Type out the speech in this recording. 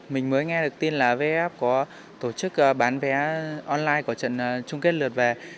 mình mới nghe được tin là vf có tổ chức bán vé online của trận chung kết lượt về